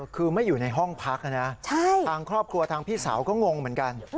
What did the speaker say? คือไม่อยู่ในห้องพักนะทางครอบครัวทางพี่สาวก็งงเหมือนกัน